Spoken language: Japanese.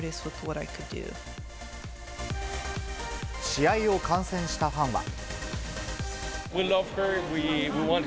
試合を観戦したファンは。